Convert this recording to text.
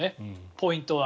ポイントは。